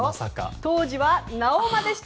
当時は、なおマでした。